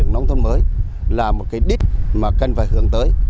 nông thôn mới là một cái đích mà cần phải hướng tới